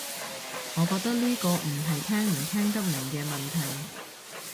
我覺得呢個唔係聽唔聽得明嘅問題